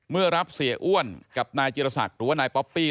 รับเสียอ้วนกับนายจิรษักหรือว่านายป๊อปปี้